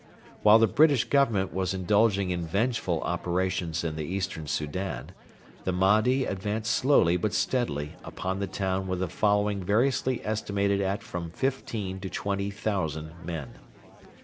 While the British Government was indulging in vengeful operations in the Eastern Soudan, the Mahdi advanced slowly but steadily upon the town with a following variously estimated at from fifteen to twenty thousand men.